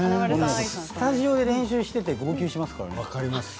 スタジオで練習していて号泣しますからね。